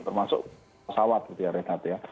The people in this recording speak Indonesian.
termasuk pesawat gitu ya renat ya